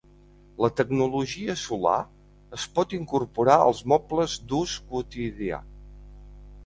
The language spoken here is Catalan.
La tecnologia solar es pot incorporar als mobles d'ús quotidià.